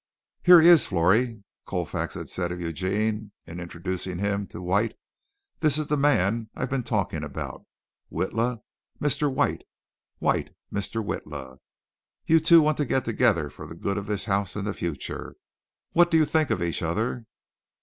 "Here he is, Florrie," Colfax had said of Eugene, in introducing him to White. "This is the man I've been talking about. Witla Mr. White. White Mr. Witla. You two want to get together for the good of this house in the future. What do you think of each other?"